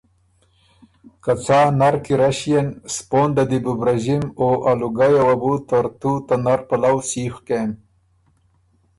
که څا نر کی رݭيېن سپونده دی بو برݫِم او ا لُوګئ یه وه بو ترتُو ته نر پلؤ سیخ کېم